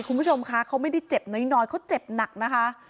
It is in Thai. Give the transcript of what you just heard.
คุณผู้ชมคะเขาไม่ได้เจ็บน้อยเขาเจ็บหนักนะคะ